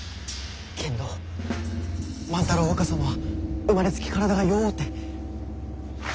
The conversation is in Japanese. けんど万太郎若様は生まれつき体が弱うて。